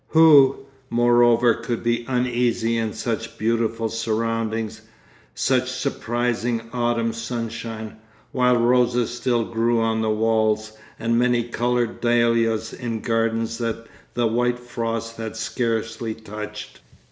Who, moreover, could be uneasy in such beautiful surroundings, such surprising autumn sunshine, while roses still grew on the walls, and many coloured dahlias in gardens that the white frost had scarcely touched?